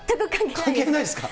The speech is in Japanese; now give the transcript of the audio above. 関係ないですか？